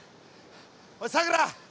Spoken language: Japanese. おいさくら